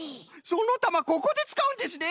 そのたまここでつかうんですね。